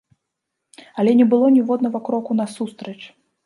Але не было ніводнага кроку насустрач!